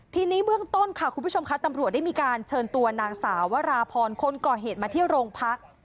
ทีนี้เบื้องต้นค่ะคุณผู้ชมค่ะตำรวจได้มีการเชิญตัวนางสาววราพรคนก่อเหตุมาที่โรงพัก